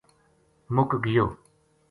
مُک گیو